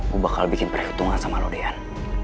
gue bakal bikin perhitungan sama lo dian